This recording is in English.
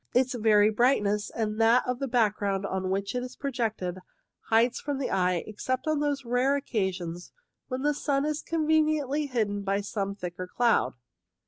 Its very brightness, and that of the background on which it is projected, hides it from the eye, except on those rare occasions when the sun is conveniently hidden by some thicker cloud.